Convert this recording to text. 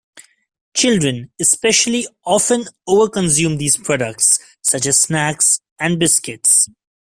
Children especially often over-consume these products, such as snacks and biscuits.